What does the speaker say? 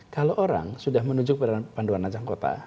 kalau orang sudah menuju panduan rancang kota